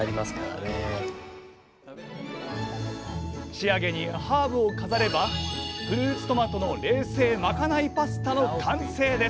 仕上げにハーブを飾れば「フルーツトマトの冷製まかないパスタ」の完成です！